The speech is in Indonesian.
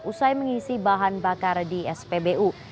usai mengisi bahan bakar di spbu